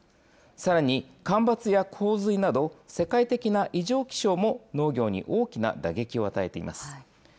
さらに、干ばつや洪水など、世界的な異常気象も農業に大きな打撃を与えています。